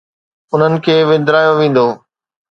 انهن کي وندرايو ويندو